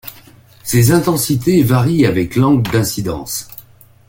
Ces intensités varient avec l'angle d'incidence.